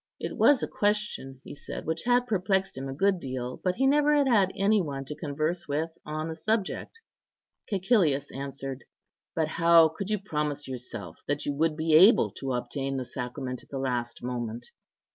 It was a question, he said, which had perplexed him a good deal, but he never had had any one to converse with on the subject. Cæcilius answered, "But how could you promise yourself that you would be able to obtain the sacrament at the last moment?